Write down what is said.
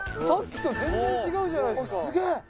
さっきと全然違うじゃないですか！